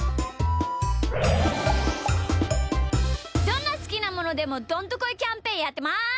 どんなすきなものでもどんとこいキャンペーンやってます。